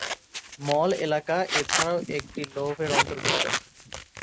মল এলাকা এছাড়াও একটি লোভ এর অন্তর্ভুক্ত।